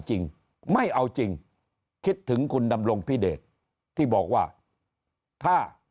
จริงไม่เอาจริงคิดถึงคุณดำรงพิเดชที่บอกว่าถ้า